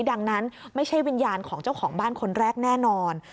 ดังนั้นไม่ใช่วิญญาณของเจ้าของบ้านคนแรกแน่นอน